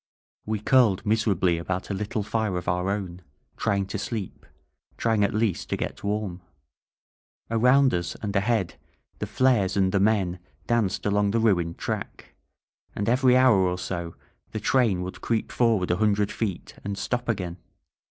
We curled miserably about a little fire of our own, trying to sleep, trying at least to get warm. Around us and ahead the flares and the men danced along the ruined track; and every hour or so the train would creep forward a hundred feet and stop again.